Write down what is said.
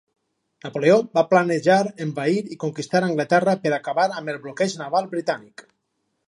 Napoleó va planejar envair i conquistar Anglaterra per acabar amb el bloqueig naval britànic.